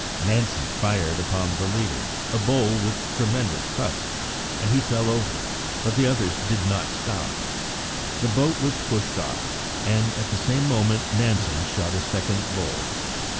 Nansen fired upon the leader, a bull with tremendous tusks, and he fell over, but the others did not stop. The boat was pushed off, and at the same moment Nansen shot a second bull.